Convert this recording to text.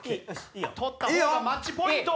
取った方がマッチポイント！